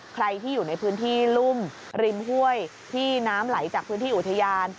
ใครที่อยู่ในพื้นที่รุ่มริมห้วยที่น้ำไหลจากพื้นที่อุทยาน